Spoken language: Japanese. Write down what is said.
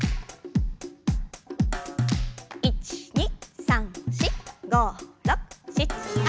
１２３４５６７８。